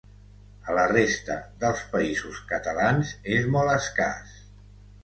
A la resta dels Països Catalans és molt escàs.